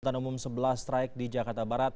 angkutan umum sebelas strike di jakarta barat